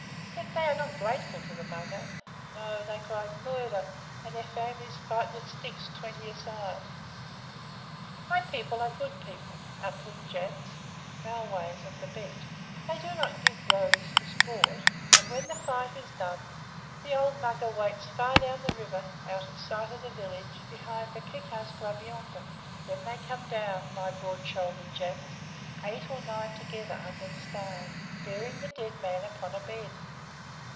Yet they are not grateful to the Mugger. No, they cry 'Murder!' and their families fight with sticks, twenty a side. My people are good people upland Jats Malwais of the Bet. They do not give blows for sport, and, when the fight is done, the old Mugger waits far down the river, out of sight of the village, behind the kikar scrub yonder. Then come they down, my broad shouldered Jats eight or nine together under the stars, bearing the dead man upon a bed.